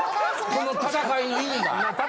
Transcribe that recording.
この戦いの意味が。